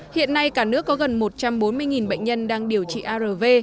hiện nay cả nước có gần một trăm bốn mươi bệnh nhân đang điều trị arv